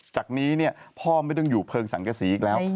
จากนี้พ่อไม่ต้องอยู่เพลิงสังกษีอีกแล้ว